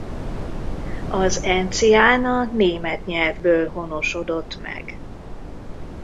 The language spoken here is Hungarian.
Az encián a német nyelvből honosodott meg.